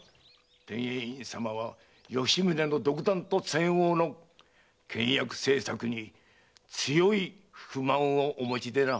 天英院様は吉宗の独断と専横の倹約政策に強い不満をお持ちでな。